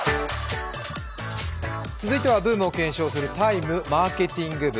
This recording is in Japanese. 続いてはブームを検証する「ＴＩＭＥマーケティング部」。